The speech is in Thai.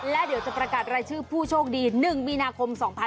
และเดี๋ยวจะประกาศรายชื่อผู้โชคดี๑มีนาคม๒๕๖๒